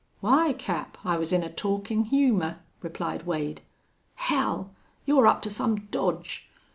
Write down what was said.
"Why, Cap, I was in a talkin' humor," replied Wade. "Hell! You're up to some dodge.